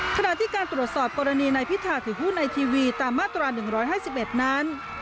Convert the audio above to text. ขณะที่การตรวจสอบกรณีนายพิธาถือหุ้นไอทีวีตามมาตรา๑๕๑นั้น